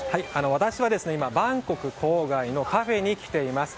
私は今、バンコク郊外のカフェに来ています。